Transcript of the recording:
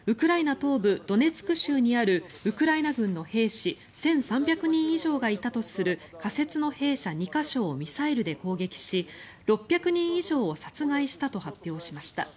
東部ドネツク州にあるウクライナ軍の兵士１３００人以上がいたとする仮設の兵舎２か所をミサイルで攻撃し６００人以上を殺害したと発表しました。